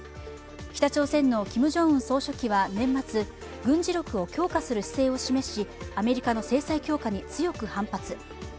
北朝鮮のキム・ジョンウン総書記は年末軍事力を強化する姿勢を示し、アメリカの制裁強化に強く反発。